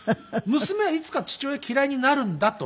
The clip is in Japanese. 娘はいつか父親嫌いになるんだと思って。